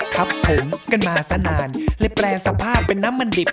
ครับผมกันมาสักนานเลยแปรสภาพเป็นน้ำมันดิบ